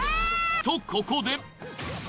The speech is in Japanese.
とここで。